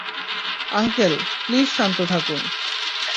Uncle, please শান্ত থাকুন।